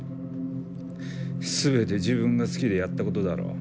全て自分が好きでやったことだろう？